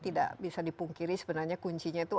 tidak bisa dipungkiri sebenarnya kuncinya itu